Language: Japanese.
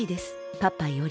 パパより」。